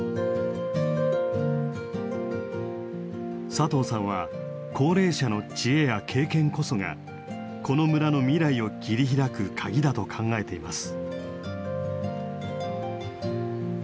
佐藤さんは高齢者の知恵や経験こそがこの村の未来を切り開くカギだと考えています。